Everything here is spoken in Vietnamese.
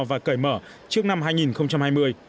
và cởi mở trước năm hai nghìn hai mươi